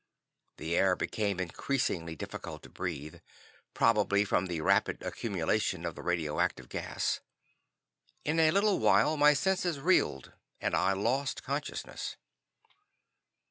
The air became increasingly difficult to breathe, probably from the rapid accumulation of the radioactive gas. In a little while my senses reeled and I lost consciousness.